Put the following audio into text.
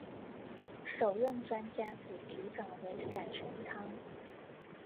首任专家组组长为闪淳昌。